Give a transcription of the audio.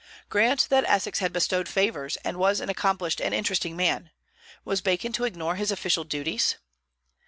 Grant that Essex had bestowed favors, and was an accomplished and interesting man, was Bacon to ignore his official duties?